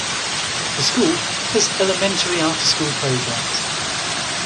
The school has elementary after-school programs.